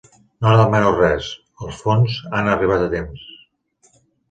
No demano res; els fons han arribat a temps.